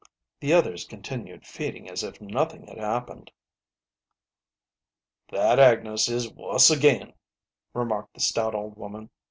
The others continued feeding as if nothing had happened. "That Agnes is wuss agin/' remarked the stout old woman.